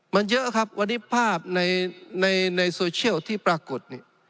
มันเยอะครับวันนี้ภาพในโซเชียลที่ปรากฏ